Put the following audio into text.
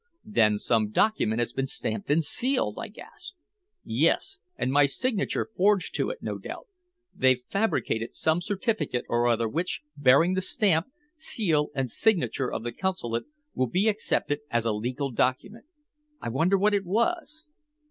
"Then some document has been stamped and sealed!" I gasped. "Yes. And my signature forged to it, no doubt. They've fabricated some certificate or other which, bearing the stamp, seal and signature of the Consulate, will be accepted as a legal document. I wonder what it is?"